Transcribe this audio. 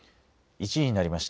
１時になりました。